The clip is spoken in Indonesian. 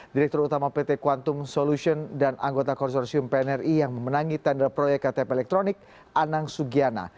direktur utama pt kuantum solution dan anggota konsorsium pnri yang memenangi tenda proyek ktp elektronik anang sugiana